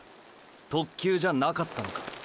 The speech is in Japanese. “特急”じゃなかったのか。